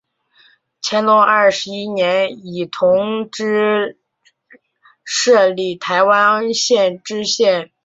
乾隆二十一年以同知摄理台湾县知县。